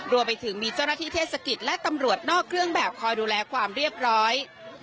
รวมไปถึงมีเจ้าหน้าที่เทศกิจและตำรวจนอกเครื่องแบบคอยดูแลความเรียบร้อย